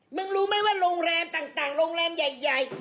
รู้ไหมว่าโรงแรมต่างโรงแรมใหญ่